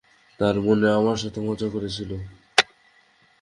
তার মানে, আমার সাথে মজা করছিলি?